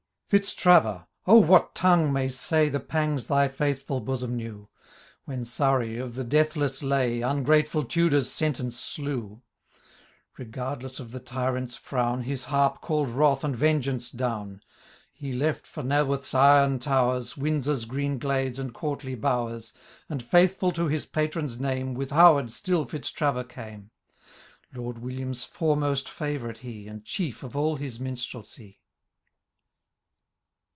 Fitztraver ! O what tongue may say nrhe pangs thy faithful bosom knew. When Surrey, of the deathless lay, UngratefiU Tudor's sentence slew ? Regardless of the tyrant's frown. His harp call'd wrath and vengeance down. He left, for Naworth's iron towers, Windsor's green glades, and courtly bowers, And faithful to his patron's name. With Howard still Fitztraver came ; Lord William's foremost £eivourite he, And chief of all his minstreUy.